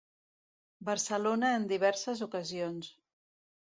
Barcelona en diverses ocasions.